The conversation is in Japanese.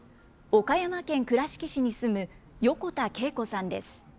岡山県倉敷市に住む横田啓子さんです。